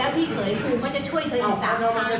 และพระของคุณอยู่ที่ไหน